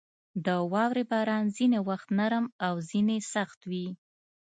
• د واورې باران ځینې وخت نرم او ځینې سخت وي.